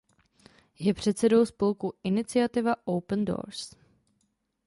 Je předsedou spolku Iniciativa Open Doors.